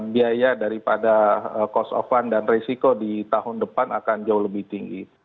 biaya daripada cost of fund dan risiko di tahun depan akan jauh lebih tinggi